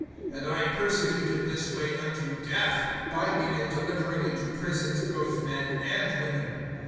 (4)And I persecuted this Way unto death, binding and delivering into prisons both men and women.